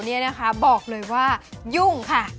นี่นะคะบอกเลยว่ายุ่งค่ะ